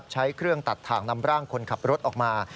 ใช้เครื่องตัดถ่างนำร่างคนขับรถออกมา